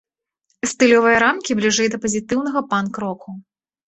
Стылёвыя рамкі бліжэй да пазітыўнага панк-року.